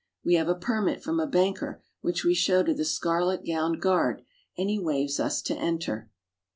We have a permit from a banker, which we show to the scarlet gowned guard, and he waves us to enter.